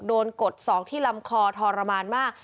โดนกดสองที่ลำคอทรมานมาก